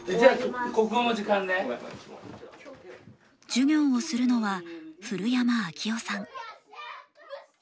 授業をするのは古山明男さん。